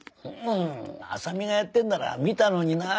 麻美がやってんなら見たのになぁ。